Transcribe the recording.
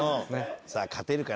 さあ勝てるかな？